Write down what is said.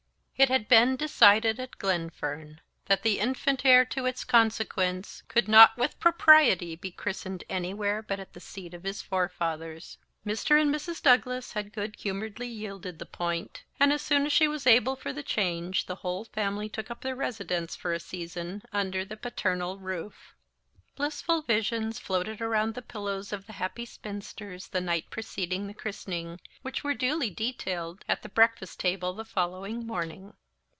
It had been decided at Glenfern that the infant heir to its consequence could not with propriety be christened any where but at the seat of his forefathers. Mr. and Mrs. Douglas had good humouredly yielded the point; and, as soon as she was able for the change, the whole family took up their residence for a season under the paternal roof. Blissful visions floated around the pillows of the happy spinsters the night preceding the christening, which were duly detailed at the breakfast table the following morning.